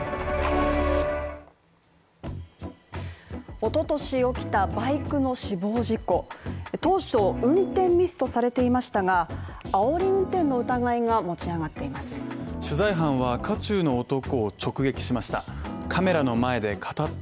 おととし起きたバイクの死亡事故当初、運転ミスとされていましたがあおり運転の疑いが持ち上がっています取材班は渦中の男を直撃しました